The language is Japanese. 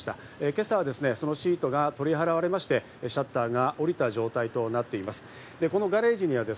今朝はそのシートが取り払われまして、シャッターが下りた状態となっています。